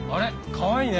かわいいね。